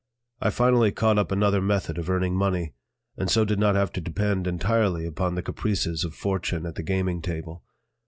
I finally caught up another method of earning money, and so did not have to depend entirely upon the caprices of fortune at the gaming table.